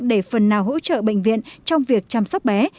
để phần nào hỗ trợ bệnh viện trong việc chăm sóc bé